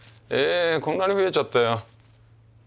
ええこんなに増えちゃったよ。